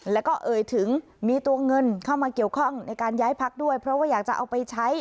แล้วก็เอ่ยถึงมีตัวเงินเข้ามาเกี่ยวข้องในการย้ายพักด้วยเพราะว่าอยากจะเอาไปใช้